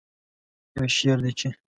یو شعر دی چې